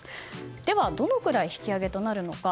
では、どのくらい引き上げとなるのか。